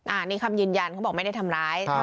อันนี้คำยืนยันเขาบอกไม่ได้ทำร้าย